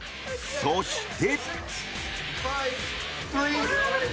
そして。